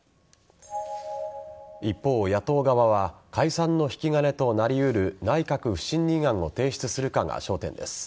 一方、野党側は解散の引き金となりうる内閣不信任案を提出するかが焦点です。